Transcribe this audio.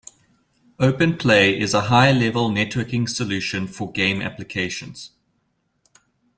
OpenPlay is a high-level networking solution for game applications.